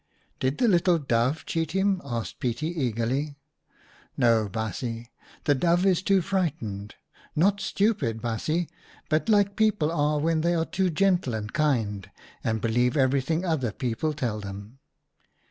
" Did the little Dove cheat him?" asked Pietie eagerly. " No, baasje, the Dove is too frightened — not stupid, baasje, but like people are when they are too gentle and kind and believe everything other people tell them.